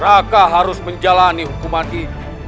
raka harus menjalani hukuman itu